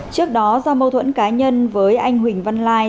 trước đó do mâu thuẫn cá nhân với anh huỳnh văn lai